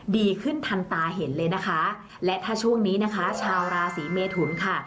ดีขึ้นทันตาเห็นเลยนะคะและถ้าช่วงนี้นะคะชาวราศีเมทุนค่ะ